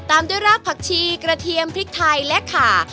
ตามด้วยรากผักชีกระเทียมพริกไทยและขา